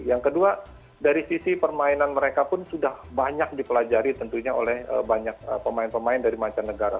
yang kedua dari sisi permainan mereka pun sudah banyak dipelajari tentunya oleh banyak pemain pemain dari mancanegara